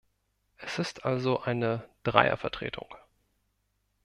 Es ist also eine Dreiervertretung.